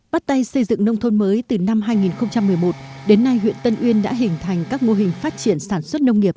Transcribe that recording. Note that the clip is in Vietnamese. bắt tay xây dựng nông thôn mới từ năm hai nghìn một mươi một đến nay huyện tân uyên đã hình thành các mô hình phát triển sản xuất nông nghiệp